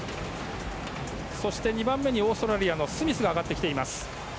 そして２番目にオーストラリアのスミスが上がってきています。